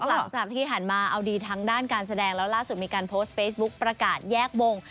หลังจากที่หันมาเอาดีทั้งด้านการแสดงแล้วล่าสุดมีการโพสต์เฟซบุ๊คประกาศแยกวง